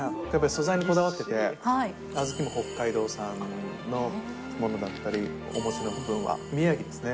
素材にこだわってて、小豆も北海道産のものだったり、お餅の部分は宮城ですね。